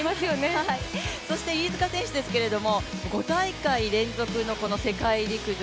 飯塚選手ですけれども５大会連続の世界陸上